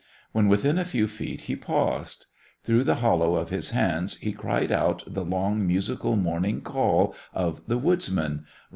When within a few feet he paused. Through the hollow of his hands he cried out the long, musical, morning call of the woodsman.